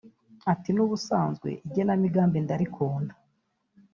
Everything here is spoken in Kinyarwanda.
Ati “N’ubusanzwe igenamigambi ndarikunda